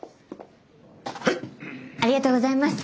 ありがとうございます。